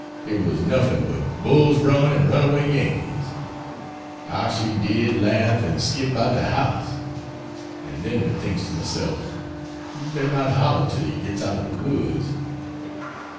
It was nuffin but Bull's Run an' run away Yankees. How she did larff and skip 'bout de house. An' den me thinks to myself you'd better not holler till you gits out ob de woods.